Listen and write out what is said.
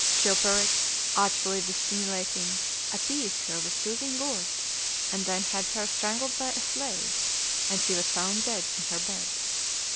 Chilperic, artfully dissimulating, appeased her with soothing words; and then had her strangled by a slave, and she was found dead in her bed.